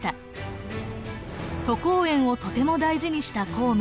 都江堰をとても大事にした孔明。